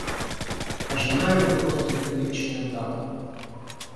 А жена его просто неприличная дама.